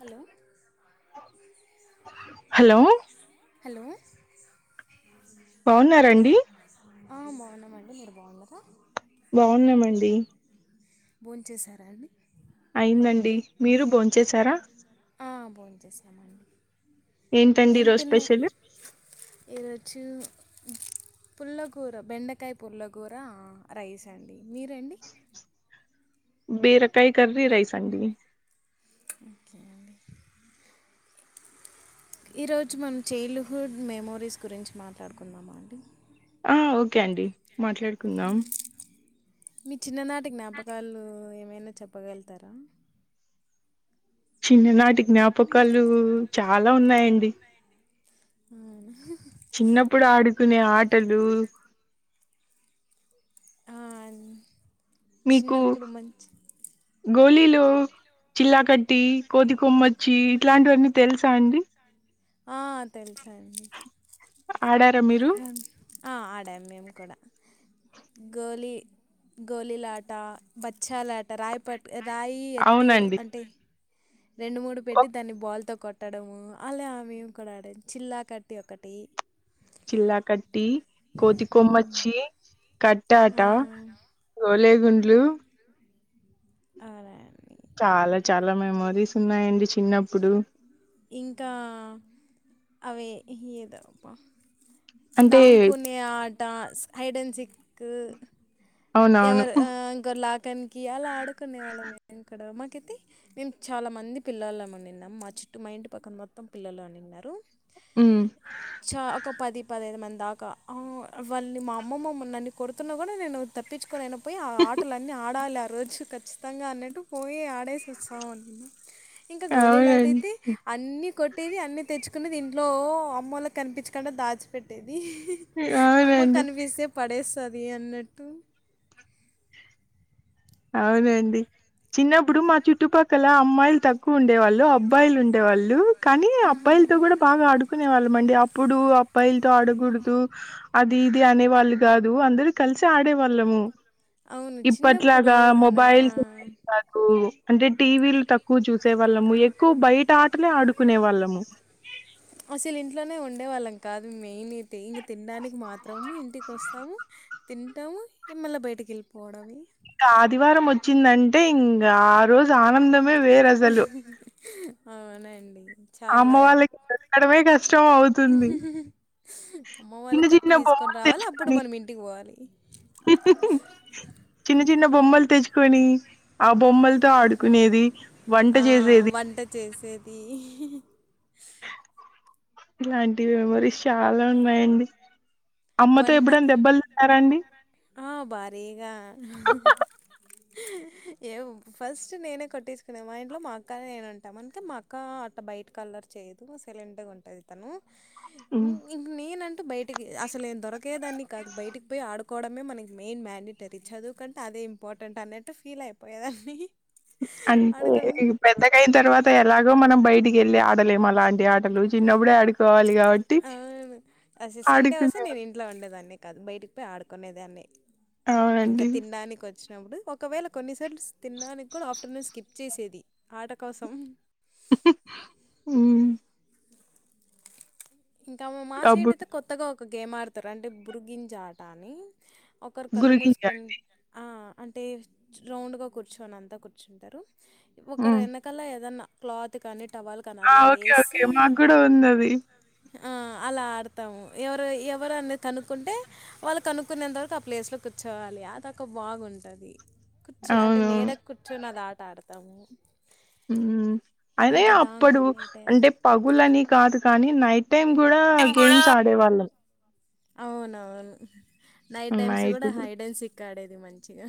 Hello hello hello బావున్నారండి ఆ బావున్నామండి మీర్ బావున్నర బావున్నామండి బోన్ చేసారాండి అయిందండి మీరు భోంచేశారా ఎం తిన్నె స్పెషల్ ఈరోజు పుల్లకుర బెండకాయ పుల్లగూర రైస్ అండి మీరండి బిరకాయి కర్రీ రైసండి ఇకేండి ఈరోజు మనం చైల్డ్హుడ్ మెమోరీస్ గురించి మాట్లాడుకుందమండి అ ఓకే అండి మాట్లాడుకుందాం మీ చిన్ననాటి జ్ఞాపకాలు ఏమైనా చెప్పగలుతారా చిన్ననాటి జ్ఞాపకాలు చాలా ఉన్నాయండి ఉమ్ చిన్నప్పుడు ఆడుకునే ఆటలు అ చిన్నప్పుడు మంచి గోలిలో చిల్లా కట్టి కోతి కొమ్మ చ్చి ఇట్లాంటివన్నీ తెలుసా అండి ఆ తెలుసాండి ఆడారా మీరు అ ఆడాం మేము కూడా గోలీ గోలీలాట పచ్చాలా రాయ పట్ రాయి ఎత్తు అవునండి అంటే రెండు మూడు పెట్టి దాన్ని బాల్తో కొ ట్టడము అల్ల ఆ మెము కూడా ఆడ చిల్లా కట్టి ఒకటి చిల్లా కట్ టి కోతి కొమ్మచ్చి కట్టాట గోలే గుండ్లు అరాయన్ చాలా చాలా మెమొరీస్ ఉన్నాయండి చిన్నప్పుడు ఇంకా అవే ఏదమ్మ అంటే దాంకునే ఆట హైడన్ సిక్కు అవునవును ఎవరు ఆ ఇంకలాకానికి అలా ఆడుకునే వాళ్ళ మేము ఇక్కడ కైతే మేము చాలా మంది పిల్లలమండిన్నాము మా చుట్టు మా ఇంటి పక్కన మొత్తం పిల్లలు అండిన్నారు హ్మ్ చ ఒక పది పది ఐదు మం దాకా అ వాళ్ళని మా అమ్మమ్మమ్ని నన్ని కొడుతున్నా కూడా నేను తప్పించు కోననాపోయి ఆటలు అన్నీ ఆడాలి ఆ రోజు ఖచ్చితంగా అన్నట్టు పోయి ఆడేసి వస్తామున్నా ఇంకా గోలీలాట అవునండి అయితే అన్ని కొట్టేది అన్నీ తెచ్చుకు కునేది ఇంట్లో అమ్మోళ్ళకి కనిపించకుండా దాచిపెట్టెది ది అమ్మ అవునండి కనిపిస్తే పడేస్తది అన్నట్టు అవునండి చిన్నప్పుడు మా చుట్టుపక్కల అమ్మాయిలు తక్కువ ఉండే వాళ్ళు అబ్బాయిలు ఉండేవాళ్ళు కానీ అబ్బాయిలతో కూడా బాగా ఆడుకునే వాళ్ళ మండి అప్పుడు అబ్బాయిల్తో ఆడకూడదు అది ఇది అనే వాళ్ళు కాదు అందరు కలిసి ఆడ కునేవాళ్ళము అవును చిన్నప్పుడు అనిన్ ఆ ఉండేవి కాదు అంటే టీవీలు తక్కువ చూసే వాళ్ళము ఎక్కువ బయట ఆటలే ఆడుకునే వాళ్ళము అసల్ ఇంట్లనే ఉండేవాళ్ళం కాదు మెయిన్ అయితే ఇంక తినడానిక్ మాత్రం ఇంటికి వస్తాము. తింటాము ఇగ మళ్ళ బైటికెళ్ళిపోవడమే ఇంకా ఆదివారం వచ్చిందంటే ఇంగ ఆ రోజ్ ఆనందం అవునండి చాలా ఆడపోయి కష్టం అవుతుంది. అవుతుంది అమ్మ వాళ్ళ చిన్న కట్టి చిన్న తీసుకొని బొమ్మల్ రావాలి అప్పుడు తెచ్చుకొని మనం ఇంటికి పోవాలి. చిన్న చిన్న బొమ్మల్ తెచ్చుకొని ఆ బొమ్మల్తో ఆడుకునేది వంట ఆ చేసేది వంట చేసేదీ ఇలాంటి మోమోరీస్ చాలా ఉన్నయండి. అమ్మతో వంట ఎప్పుడన్ దెబ్బల్ తిన్నారా అండి ఆ భారీగా ఏం ఫస్ట్ నేనే కొట్టిచ్చుకునే మా ఇంట్లో మా అక్క నేను ఉంటాం అందుకే మా అక్క అట్ల బైటిక్ అల్లర్ చేయదు సైలెంట్ గుంటది తనూ హ్మ్. ఇంక నేనంటూ బైటికి అసలే దొరకేదాన్ని దాన్ని బయటికి పోయి ఆడు కోడమే మనకి మెయిన్ మ్యాండిటరీ చదువుకంటే అదే ఇంపార్టెంట్ అనేట్టు ఫీల్ అయిపోయేదాన్ని అంటే ఆడకం ఇగ పెద్దగైన్ తర్వాత ఎలాగో మనం బైటికెళ్ళి ఆడలేం అలాంటి ఆటలు చిన్నప్పుడే ఆడుకోవాలి కాబట్టి అవును ఆడుకున్నా దాన్నే కాదు బయటికి పోయి ఆడుకునే దాన్ని ఇంకా అవునండి. తిన్డానిక్ వచ్చి నప్పుడు ఒకవేళ కొన్నిసార్లు తిన్డానికి కూడా ఆఫ్టర్నూన్ స్కిప్ చేసేది ఆట కోసం మ్ ఇంకా మ మా సైడ్ అప్పుడు అయితే కొత్తగా ఒక గేమ్ ఆడ్తరు అంటే బురుగింజ ఆట అని ఒకరు కళ్ళు గురిగింజ మూస్కొని ఆ అంటే రౌండ్గా కూర్చొని అంతా కూర్చుంటరు. ఒకర్ హ్మ్. ఎనకల ఏదన్నా క్లాత్ కాని ఆ ఓకే ఓకే మాక్ గుడా ఉందది. ఆ అలా ఆడ్తాము. ఎవరు ఎవరు అనేద్ కనుక్కుంటే వాళ్ళు కనుక్కునే అంతవరక్ ఆ ప్లేస్లో కూర్చోవాలి. ఈ ఆట ఒక బాగుంటది. కుర్చ్ అంటే అవునవును నీడక్ కూర్చొని అది ఆట ఆడతాము. మ్ అదే ఇంకా అప్పడు దాంకుని ఏటేయాలి అంటే పగులని కాదు కానీ నై టైం గూడా గేమ్స్ ఆడేవాళ్ళం. అవునవున్ నైట్ టైమ్స్ గుడా హైడెన్ సిక్ ఇక్క ఆడేది మంచిగా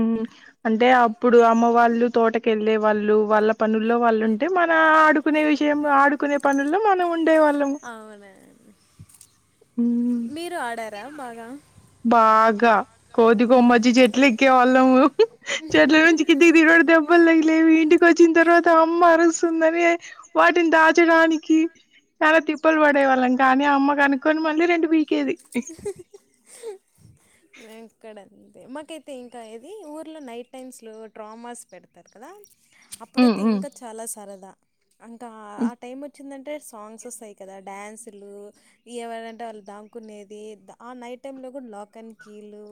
మ్ అంటే అప్పుడు అమ్మ వాళ్ళు తోటకెళ్ళే వాళ్ళు వాళ్ళ పనుల్లో వాళ్ళుంటే మన ఆడుకునే విషయం ఆడుకునే పనుల్లో మనం ఉండేవాళ్ళము అవునండి హ్మ్ మీరు ఆడారా బాగా గా కోతికొమచ్చీ చెట్లెక్కే వాళ్ళం చెట్ల నుంచి దిగిట దెబ్బల్ తగి లేవి ఇంటికొచ్చిన్ తర్వాత అమ్మ అరుస్తుందనే వాటిని దాచడానికి చాలా తిప్పల్ పడే వాళ్ళం కానీ అమ్మ కనుక్కొని మళ్ళీ రెం వేం కడ మాకైతే ఇంకా ఏది ఊర్లో నైట్ టైమ్స్లో డ్రామాస్ పెడ్తారు కదా అప్పుడైతే ఇంకా చాలా సరదా అంకా ఆ టైం వచ్చిందంటే సాంగ్స్ వస్తాయి కదా డ్యాన్సులు ఎవరంటే వాళ్ళు దాంకునేది ఆ నైట్ టైమ్లో గుడా లాక్ అండ్ కీలు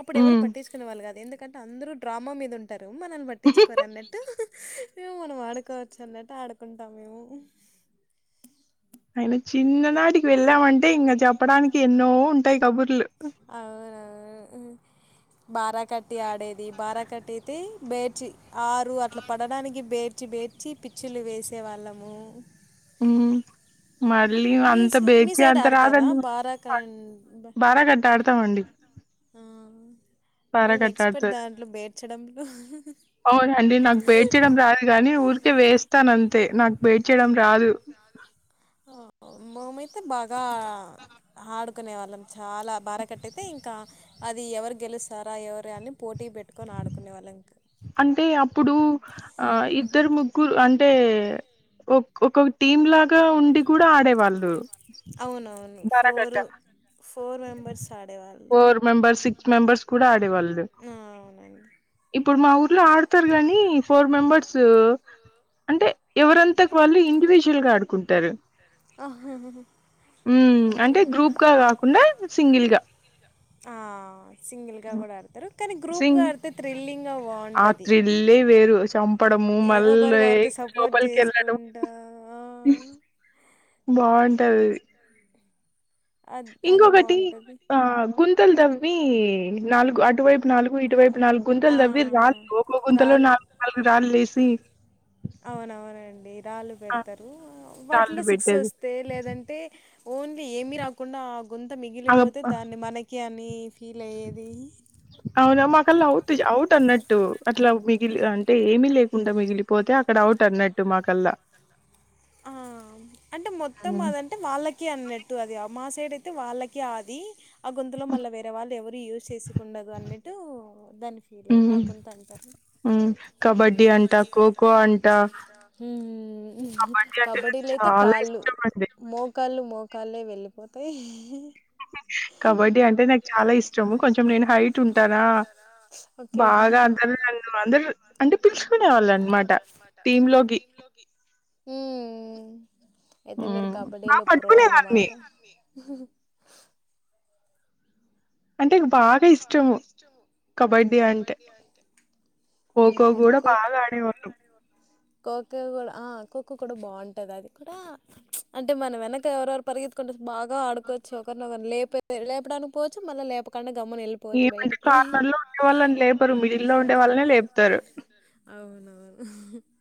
అప్పుడు ఎవరు పట్టిచ్చుకునే వాళ్ళు కాదు ఎందు కంటే అందరూ డ్రామా మీద ఉంటారు మనల్ని పట్టించుకోర్ అన్నట్టు మేము మనం ఆడుకోవచ్చు అన్నట్టు ఆడుకుంటాం మేము. అయిన చిన్ననాటికి వెళ్ళామంటే ఇంక చెప్పడానికి ఎన్నో ఉంటాయి కబుర్లు అవునవును బారా కట్టి ఆడేది బారా కట్టి అయితే బేడ్చి ఆరు అట్లా పడడానికి బేడ్చి బేడ్చి పిచ్చులు వేసేవాళ్ళము మ్ మళ్ళీ మీ అంత సై మీ బేచి సైడ్ అంత ఆడతారా రాదండి బారా కం బ బారా కట్ట ఆడుతామండి ఆ మేము ఆడుత ఎక్స్పర్ట్ దాంట్లో బేడ్చడంలో అవునండి నాకు భేడ్ చేయడం రాదు గానీ ఊరికే వేస్ స్తనంతే నాకు భేడ్చడం రాదు ఓహో మమైతే బగా అడ్ కునే వాళ్ళం చాలా బార కట్టటితే ఇంకా అది ఎవరు గెలుస్తారా ఎవరు అని పోటీ పెట్టుకోని ఆడుకునే వాళ్ళం ఇంకా అంటే అప్పుడు ఆ ఇద్దరు ముగ్గురు అంటే ఒక్ ఒక్క టీం లాగా ఉండి కూడా ఆడేవాళ్ళు అవునవును బరకట్ట ఫోర్ ఫోర్ మెంబర్స్ ఆడేవాళ్ళు ఫోర్ మెంబర్స్ సిక్స్ మెంబర్స్ కూడా ఆడేవాళ్ళు ఆ అవునండి ఇప్పుడు మా ఊర్లో ఆడతారు గాని ఫోర్ మెంబర్స్ అంటే ఎవరంతా వాళ్ళు ఇండివిజువల్ గా ఆడుకుంటారు ఆహా మ్ ఓకే అంటే గ్రూప్ గా కాకుండా సింగిల్గా ఆ సింగిల్గా కూడా ఆడతారు కానీ గ్రూప్గా సింగ్ ఆడితే థ్రిల్లింగ్గా ఆ బాగుంటది థ్రిల్లే వేరు. చంపడము, మళ్ళీ ఒకరికొరికి సపోర్ట్ లోపలికెళ్ళడం చేసుకుంటా బాగుంటది అది అద్ అది ఇంకొకటి బాగుంటది ఆ గుంతలు తవ్వి నాలుగు అటువైపు నాలుగు ఇటువై నాలుగు ఆ గుంతలు తవ్వి రాళ్ళు ఒక గుంతలో రాళ్ళు నాలుగు నాలుగు రాళ్ళు లేేసి అవునవునండి రాళ్ళు పెడుతారు వాటిలో రాళ్ళు సిక్స్ పెట్టేది వస్తే లేదంటే ఓన్లీ ఏమి రాకుండా గుంత అగప్ మిగిలిపోతే దాన్ని మనకి అని ఫీల్ అయ్యేది అలా అవుట్ అవుట్ అన్నట్టు అట్లా మిగిలి అంటే ఏమిీ లేకుండా మిగిలిపోతే అక్కడ అవుట్ అన్నట్టు మాకల్లా ఆ అంటే మొత్తం అదంటే వాళ్ళకి అన్నట్టు అది అప్ మా సైడ్ అయితే వాళ్ళకి అది ఆ గొంతులో మళ్ళీ వేరే వాళ్ళు ఎవరు యూజ్ చేసి కుండదు అన్నిట్టు దాని ఫీల్ అయ్ మ్మ్ ఆగుంత అంటారు కబడ్డీ అంటా ఖోఖో అంట మ్ కబడ్డీ అంటే నాకు కబడ్డీలో అయితే చాలా కాళ్ళు ఇష్టం అండి మోకాళ్ళు మోకాళ్ళే వెళ్ళిపోతాయి కబడ్డీ అంటే నాకు చాలా ఇష్టము కొంచం నేను హైట్ ఉంటానా ఓకే బాగా అం అందరు అంటే పిలుచుకునే వాళ్ళు అనమాట టీమ్ లోకి మ్ అయితే మీరు బా కబడ్డీలో ప్రో పట్టుకునేదాన్ని. అన్నమాట అంటే బాగా ఇష్టము కబడ్డీ అంటే కోఖో కూడా ఇంకో బాగా ఆడే వాళ్ళు ఖోఖో కూడా ఆ ఖోఖో కూడా బాగుంటది అది కూడా అంటే మన వెనక ఎవరెవరు పరిగెత్కుంటు బాగా ఆడుకోవచ్చు ఒకరిని ఒకరు లే లేపడానికి పోవచ్చు మళ్ళీ లేప కుండా ఏమంటే కార్నర్ లో ఉండే వాళ్ళని లేపరు మిడిల్లో ఉండే వాళ్ళనే లేపుతారు అవునవును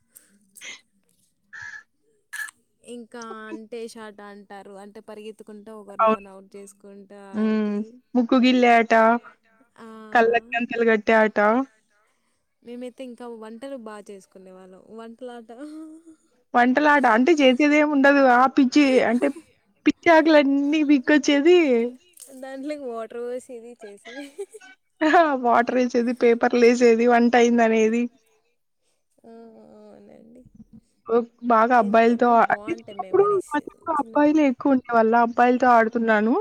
ఇంకా అంటే షాట అంటారు అంటే పరిగ ఎత్తుకుంటూ అవును. ఒకరినొకరి అవుట్ చేసుకుంటా ఆది కళ్ళకు గంతలగట్టె ఆట మేమైతే ఇంకా వంటలు బాగా చేసుకునే వాళ్ళం వంటలాట వంటలా ఆట అంటే బా జేసేది ఏం ఉండదు ఆ పిచ్చి అంటే పిచ్చా లన్నీ బీక్ వచ్చేది దాంట్లోకి వాటర్ పోసేది చేసేది వాటర్ చేది అవునండి బాగా అబ్బాయిలతో ఎంతైనా బాగుంటాయి అంటేప్పుడు మెమరీస్ మంచి చిన్నప్పుడు అబ్బాయిలు ఎక్కువ ఉండే వాళ్ళ అబ్బాయిలతో ఆడుతున్ న్నాను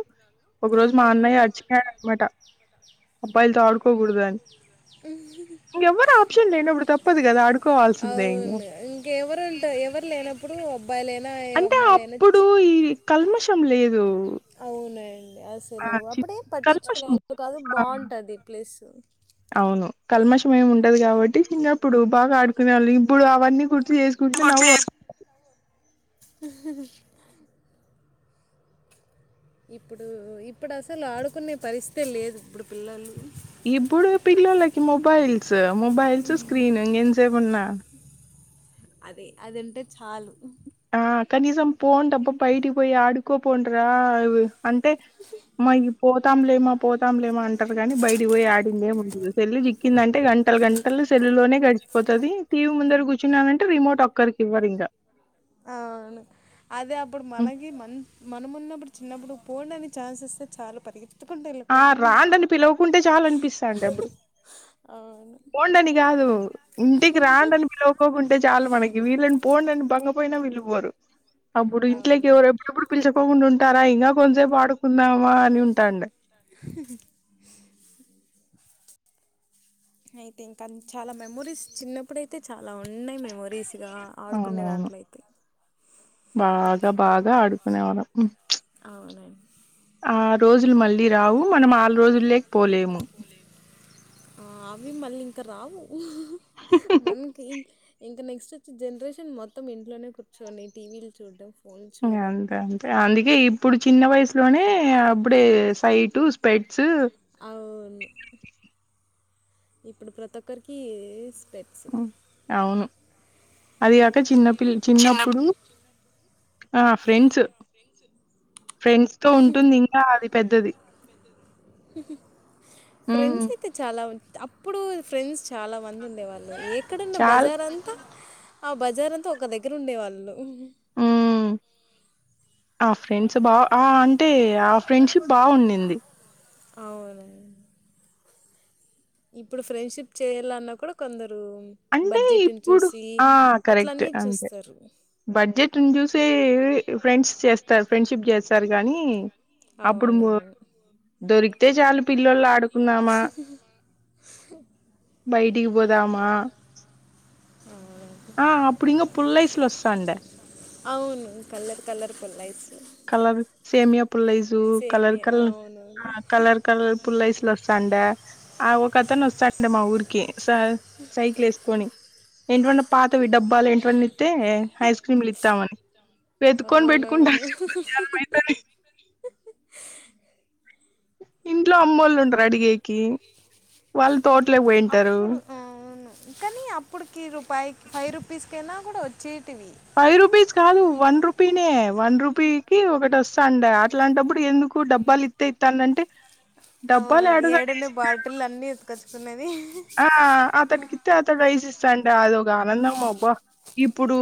ఒక రోజు మా ఆహా అన్నయ్య వచ్చినాడు అనమాట అబ్బా ఇల్తో ఆడుకోగుడద అని ఇంగ ఎవ్వరు ఆప్షన్ లేనప్పుడు తప్పదు కదా అడుకోవాల్సిందె ఇంగ అవును ఇంకెవరు ఉంటారు ఎవరు లేనప్పుడు అబ్బాయిలైనా ఏ అంటే అమ్మాయిలైనా అప్పుడు చ్- ఈ కల్మషం లేదు అవునండి. ఆ! అసలు చి అప్పుడే పట్టించుకునే కల్మషం వాళ్ళు కాదు ఆ! బాగుంటది ఈ ప్లేస్ అవును కల్మష్ ఇష్టమేమి ఉండదు. కాబట్టి చిన్నప్పుడు బాగా ఆడుకునేవాళ్ళు ఇప్పుడు అవన్నీ గుర్తు చేసుకుంటే నవ్వు ఇప్పుడు ఇప్పుడు అసలు ఆడుకునే పరిస్థితి లేదు ఇప్పుడు. పిల్లలు ఇప్పుడు పిల్లలకి మొబైల్స్ మొబైల్స్ స్క్రీన్ ఇంసేపు ఉన్నా ఆ అదే అదుంటే చాలు ఆ కనీసం పోండబ్బ బయటికి పోయి ఆడుకోపోండిరా అ అంటే మా పో పోతం లేమా పోతాంలేమా అంటారు. కాని బయట పోయి ఆడిందే ఉండదు సెల్లి చిక్కిందంటే గంటలు గంట సెల్ లోనే గడిచిపోతది టీవీ ముందర కూర్చున్నానంటే రిమోట్ ఒక్కరికి ఇవ్వరు ఇంకా అవును అదే అప్పుడు మనకి మన్ మనం ఉన్నప్పుడు చిన్నప్పుడు పోండి అని ఛాన్స్ ఇత్తే చాలా పరిగి ఆ రాండని పిలువకుంటే చాలు అనిపిస్తాండ ఎప్పుడు అవును పోండని కాదు ఇంటికి రాండని పిలువకోకుంటే చాలు మనకి వీళ్ళని పోండుని బంగ పోయినా వీళ్ళుపోరు అప్పుడు ఇంట్లోకి అవును ఎవరు ఎప్పుడప్పుడు పిల్చుకోకుండా ఉంటారా. ఇంకా కొంసేపు ఆడుకుందామా అని ఉంటాండే ఆడియో పూర్తిగా ఖాళీగా లేదు శబ్దంగా ఉంది అయితే ఇంకా చాలా మెమరీస్ చిన్నప్పుడు అయితే చా అలా ఉన్నాయి మేమొరీస్గా ఆడుకునే దాంట్లో అయితే బాగ బాగా ఆడుకునే వాళ్ళం అవునండి ఆ రోజులు మళ్ళీ రావు మనం ఆరు రోజులేక పోలేము ఆ అవి మళ్ళీ ఇంక రావు మనకి ఇంకా నెక్స్ట్ వచ్చే జనరేషన్ మొత్తం ఇంట్లోనే కూర్చొని టీవీలు చూడడం ఫోన్లు చూడడం. అంతే అంతే అందుక ఇ ఇప్పుడు చిన్న వయసులోనే అప్పుడే సైటు స్పెట్స్ స ఇప్పుడు ప్రతి ఒక్కర్కీస్ అవును అదిగాక చిన్నపిల్ చిన్నప్పుడు ఆ ఫ్రెండ్స్ ఫ్రెండ్స్తో ఉంటుంది ఇంకా అది పెద్దది. ఉమ్ ఫ్రెండ్స్ అయితే చాలా ఉం అప్పుడు ఫ్రెండ్స్ చాలా మంది ఉండేవాళ్ళు ఏక్కడున్న చాల్ బజార్ అంత ఆ బజారంత ఒక దగ్గర ఉండేవాళ్ళు. ఉమ్ ఆ ఫ్రెండ్స్ బా ఆ అంటే ఆ ఫ్రెండ్షిప్ బాగుండింది. అవునం ఇప్పుడు ఫ్రెండ్షిప్ చేయాలన్నా కుడ కొందర్ రు అంటే బడ్జెట్న్ ఇప్పుడు చూసి అట్లన్నీ చూస్తరు. బడ్జెట్న్ చూసే ఫ్రెండ్స్ చేస్తర్ ఫ్రెండ్షిప్ చేస్తర్ గనీ అవునవున్ దొరికితే చాలు పిల్లొల్ ఆడుకుంన్నామా బైటికి పోదామా? ఆ ఆ అప్పుడింగ పుల్లైస్లొస్తాడె అవును కలర్ కలర్ పుల్లైస్ కలర్ సేమియా పుల్లైసి కలర్ సేమియా కల్ అవునవును ఆ కలర్ కలర్ పుల్లైస్లొస్తాండా ఆ ఒక అతన్ వస్తాండే మా ఊర్కి స సైకిల్ ఏస్కోని ఏంటంటే పాతవి డబ్బాలేంటో అన్ని తే ఐస్ క్రీమ్లు ఇత్తామని పేతుకోన్ పెట్టుకుంటా అవునవును యా మైథలి ఇంట్లో అమ్ముళ్ళుంటర్ అడిగేకి వాళ్ళు తోటలేక్ పోయింటారు. అప్పుడు అవును కానీ అప్పటికేదో బైక్ ఫైవ్ రూపీస్కైనా కూడా వచ్చి ఫైవ్ రుపీస్ కాదు వన్ రుపీ నే వన్ రూపీకిి ఒకటస్తా అండా అట్లాంటప్పుడు ఎందుకు డబ్బాల్ ఇత్తే ఇత్తానంటే ఆ డబ్బాలు ఏడుగడి ఏడున్నై బాటిల్ అన్నీ ఎత్తుకొచ్చుకున్నా ఆ అతనికిత్తే అతడ్ రైస్ ఇస్తాంటే అదొక ఆనందం అబ్బ ఇప్పుడూ